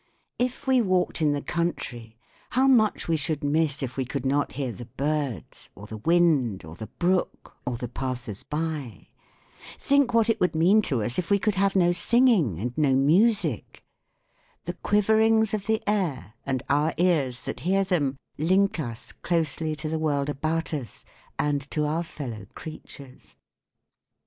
If we walked in the country how much we should miss if we could not hear the birds or the wind or the brook or the passers by ! Think what it would mean to us if we could have no singing and no music. The quiverings of the air, and our ears that hear them, link us closely to the world about us and to our fellow creatures